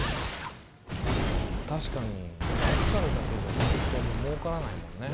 たしかに預かるだけじゃ銀行も儲からないもんね。